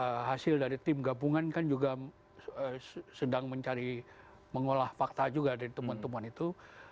nah hasil dari tim gabungan kan juga sedang mencari mengolah fakta juga dari teman teman itu